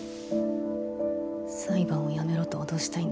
裁判をやめろと脅したいんですか？